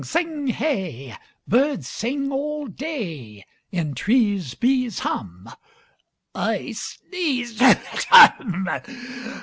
Sing hey! Birds sing All day. In trees Bees hum I sneeze Skatch Humb!!